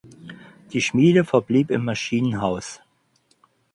Die Schmiede verblieb im Maschinenhaus.